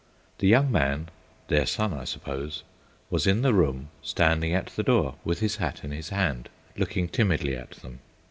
The young man, their son, I suppose, was in the room standing at the door with his hat in his hand, looking timidly at them.